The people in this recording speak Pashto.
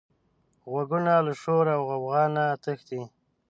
غوږونه له شور او غوغا نه تښتي